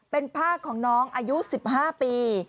เป็นผ้าของน้องอายุ๑๕ปี